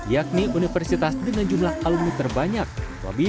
yakni universitas dengan jumlah kemampuan dan kemampuan kemampuan